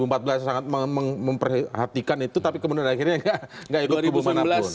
pak sbe sangat memperhatikan itu tapi kemudian akhirnya nggak yuk ke mana pun